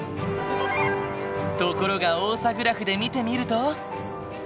ところがオーサグラフで見てみると。